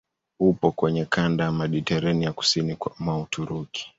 Upo kwenye kanda ya Mediteranea kusini mwa Uturuki.